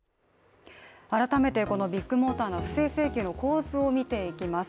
改めてこのビッグモーターの不正請求の構図を見ていきます。